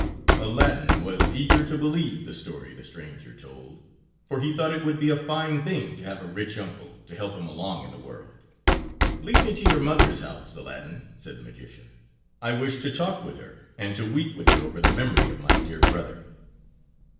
Aladdin was eager to believe the story the stranger told, for he thought it would be a fine thing to have a rich uncle to help him along in the world. "Lead me to your mother's house, Aladdin," said the magician. "I wish to talk with her, and to weep with her over the memory of my dear brother."